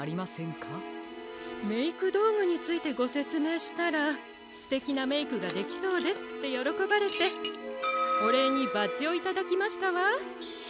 メイクどうぐについてごせつめいしたら「すてきなメイクができそうです」ってよろこばれておれいにバッジをいただきましたわ。